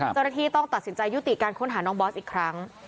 เจ้าหน้าที่ต้องตัดสินใจยุติการค้นหาน้องบอสอีกครั้ง